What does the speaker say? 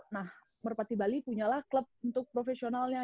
nah merpati bali punya lah klub untuk profesionalnya